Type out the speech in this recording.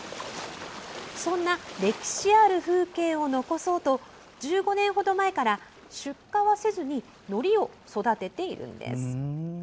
そんな歴史ある風景を残そうと１５年ほど前から出荷はせずにのりを育てているんです。